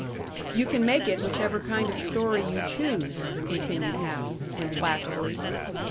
"You can make it whichever kind of story you choose," continued Hal, implacably.